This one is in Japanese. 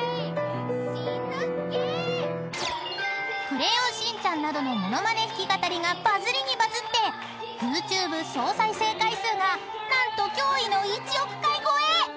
［『クレヨンしんちゃん』などの物まね弾き語りがバズりにバズってＹｏｕＴｕｂｅ総再生回数が何と驚異の１億回超え！］